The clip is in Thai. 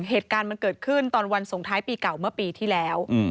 เหตุการณ์มันเกิดขึ้นตอนวันส่งท้ายปีเก่าเมื่อปีที่แล้ว